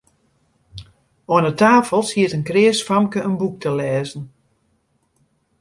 Oan 'e tafel siet in kreas famke in boek te lêzen.